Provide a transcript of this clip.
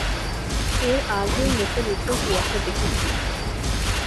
এর আগেও লেকের উপরে কুয়াশা দেখেছি!